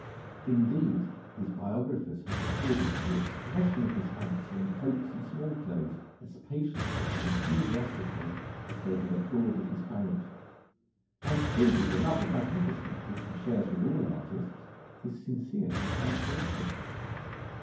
Indeed, his biographers have recorded the expression of his fancy in coats and small clothes as patiently and enthusiastically as they have applauded his courage. And truly the love of magnificence, which he shares with all artists, is sincere and characteristic.